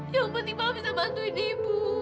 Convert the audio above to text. yang penting bapak bisa bantuin ibu